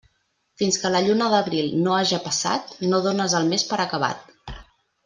Fins que la lluna d'abril no haja passat, no dónes el mes per acabat.